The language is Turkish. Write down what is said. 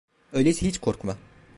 Öyleyse hiç korkma…